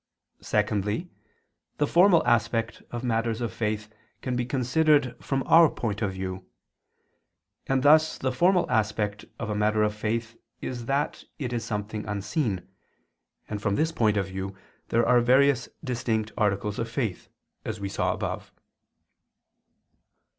Secondly, the formal aspect of matters of faith, can be considered from our point of view; and thus the formal aspect of a matter of faith is that it is something unseen; and from this point of view there are various distinct articles of faith, as we saw above.